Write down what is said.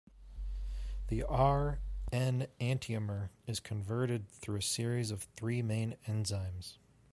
The R-enantiomer is converted through a series of three main enzymes.